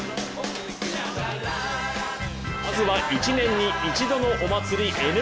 まずは１年に一度のお祭り